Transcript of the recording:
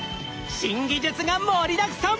新技術が盛りだくさん！